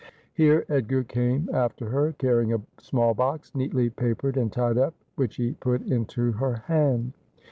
Here Edgar came after her, carrying a small box neatly papered and tied up, which he put into her hand.